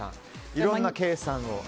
いろんな計算をされて。